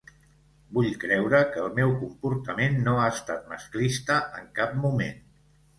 Vull creure que el meu comportament no ha estat masclista en cap moment.